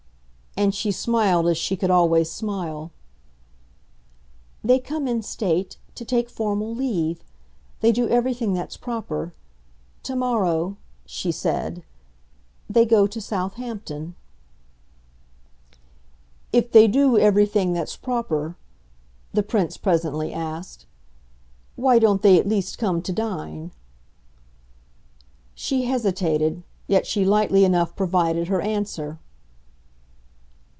And she smiled as she could always smile. "They come in state to take formal leave. They do everything that's proper. Tomorrow," she said, "they go to Southampton." "If they do everything that's proper," the Prince presently asked, "why don't they at least come to dine?" She hesitated, yet she lightly enough provided her answer.